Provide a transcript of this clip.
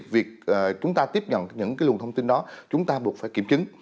và những cái luồng thông tin đó chúng ta buộc phải kiểm chứng